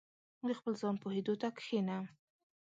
• د خپل ځان پوهېدو ته کښېنه.